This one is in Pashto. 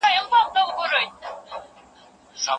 دوی تخنیکي وسایل بزګرانو ته ورکوي.